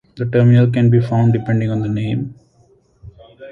The terminal can be found depending on the name.